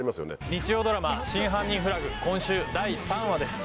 日曜ドラマ『真犯人フラグ』今週第３話です。